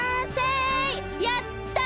やった！